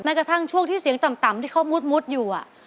กระทั่งช่วงที่เสียงต่ำที่เขามุดอยู่